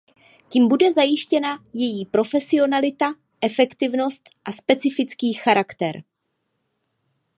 Tím bude zajištěna její profesionalita, efektivnost a specifický charakter.